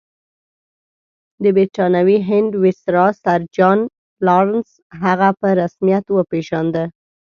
د برټانوي هند ویسرا سر جان لارنس هغه په رسمیت وپېژانده.